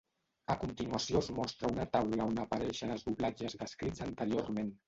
A continuació es mostra una taula on apareixen els doblatges descrits anteriorment.